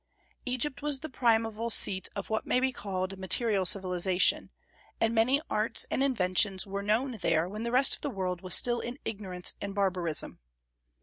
Egypt was the primeval seat of what may be called material civilization, and many arts and inventions were known there when the rest of the world was still in ignorance and barbarism.